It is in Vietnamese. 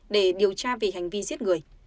để điều tra về hành vi giết người